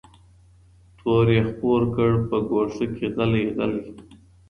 تور یې خپور کړ په ګوښه کي غلی غلی